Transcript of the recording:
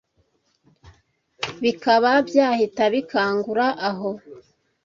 bikaba byahita bikangura aho